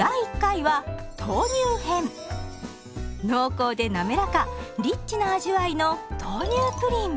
濃厚でなめらかリッチな味わいの豆乳プリン。